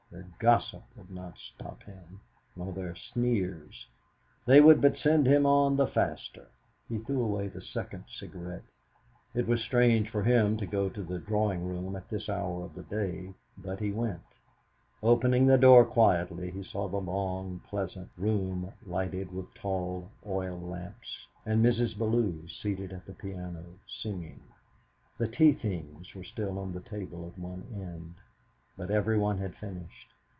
Their gossip would not stop him, nor their sneers; they would but send him on the faster! He threw away the second cigarette. It was strange for him to go to the drawing room at this hour of the day, but he went. Opening the door quietly, he saw the long, pleasant room lighted with tall oil lamps, and Mrs. Bellew seated at the piano, singing. The tea things were still on a table at one end, but every one had finished.